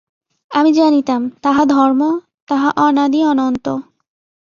আমি জানিতাম, তাহা ধর্ম, তাহা অনাদি অনন্ত।